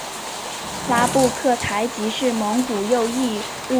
拉布克台吉是蒙古右翼兀慎部领主。